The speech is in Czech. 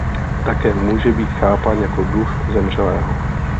Také může být chápán jako duch zemřelého.